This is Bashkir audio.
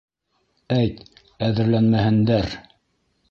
Әйт, әҙерләнмәһендәр.